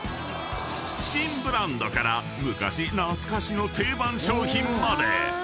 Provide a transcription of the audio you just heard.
［新ブランドから昔懐かしの定番商品まで］